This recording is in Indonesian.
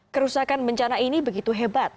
kerusakan bencana ini begitu hebat